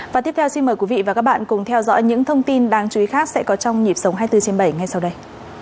và tiếp theo xin mời quý vị và các bạn cùng theo dõi những thông tin đáng chú ý khác sẽ có trong nhịp sống hai mươi bốn trên bảy ngay sau đây